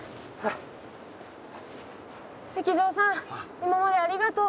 今までありがとう。